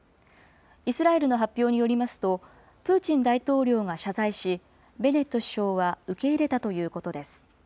イスラエルの発表によりますと、プーチン大統領が謝罪し、ベネット首相は受け入れたということです。